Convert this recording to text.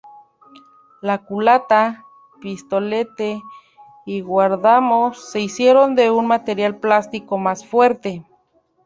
La culata, pistolete y guardamanos se hicieron de un material plástico más fuerte.